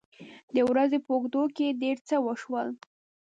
د ورځې په اوږدو کې ډېر څه وشول.